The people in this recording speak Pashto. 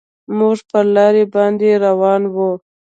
موږ پر لاره باندې روان وو.